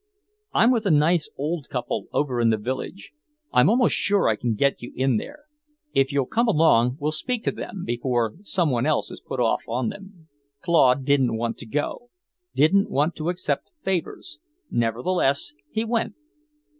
I'm with a nice old couple over in the village. I'm almost sure I can get you in there. If you'll come along, we'll speak to them, before some one else is put off on them." Claude didn't want to go, didn't want to accept favours, nevertheless he went.